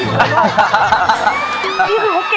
ยังเพราะความสำคัญ